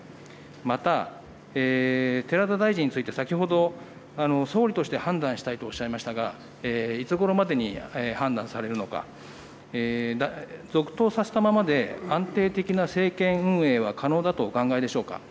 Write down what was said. また、寺田大臣について先ほど、総理として判断したいとおっしゃいましたが、いつごろまでに判断されるのか、続投させたままで安定的な政権運営は可能だとお考えでしょうか。